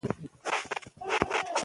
د بریښنا بندونه په اساسي توګه جوړیږي.